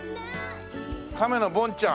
亀のボンちゃん。